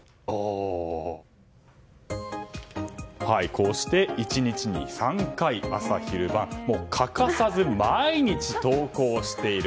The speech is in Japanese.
こうして１日に３回、朝昼晩欠かさず毎日投稿している。